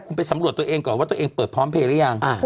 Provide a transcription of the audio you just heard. คุณไปสำรวจตัวเองก่อนว่าตัวเองเปิดพร้อมเพลย์หรือยัง